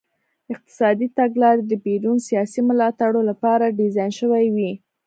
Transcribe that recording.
اقتصادي تګلارې د پېرون سیاسي ملاتړو لپاره ډیزاین شوې وې.